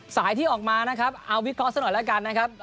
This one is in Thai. สายที่ออกมานะครับเอาวิทยาลาฮกูลซะหน่อยแล้วกันนะครับ